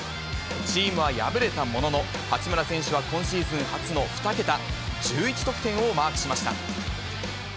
チームは敗れたものの、八村選手は今シーズン初の２桁１１得点をマークしました。